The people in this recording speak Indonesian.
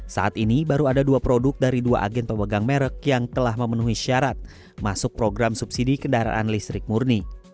saat ini baru ada dua produk dari dua agen pemegang merek yang telah memenuhi syarat masuk program subsidi kendaraan listrik murni